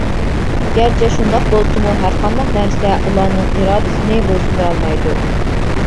گەرچە شۇنداق بولسىمۇ ھەرقانداق نەرسە ئۇلارنىڭ ئىرادىسىنى بويسۇندۇرالمايدۇ.